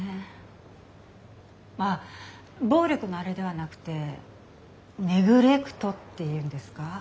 あっ暴力のあれではなくてネグレクトっていうんですか？